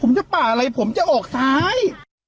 ผมจะป่าอะไรผมจะออกซ้าย